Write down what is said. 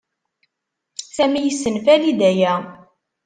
Sami yessenfali-d aya.